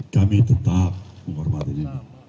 kami tetap menghormati ini